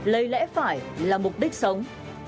lấy lẽ phải là mục đích sống